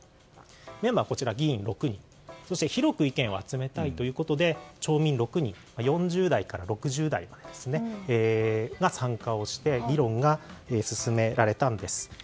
メンバーは議員６人そして広く意見を集めたいということで町民６人４０代から６０代の方が参加をして議論が進められたんです。